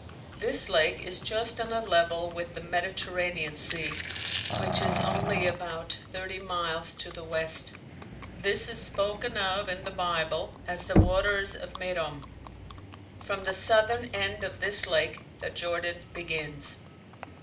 This lake is just on a level with the Mediterranean Sea which is only about thirty miles to the west. This is spoken of in the Bible as "the waters of Merom." From the southern end of this lake the Jordan begins.